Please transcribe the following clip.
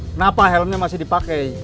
kenapa helmnya masih dipake